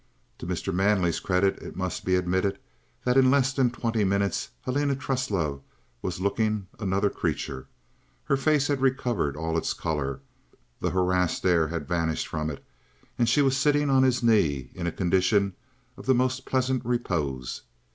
To Mr. Manley's credit it must be admitted that in less than twenty minutes Helena Truslove was looking another creature; her face had recovered all its colour; the harassed air had vanished from it, and she was sitting on his knee in a condition of the most pleasant repose.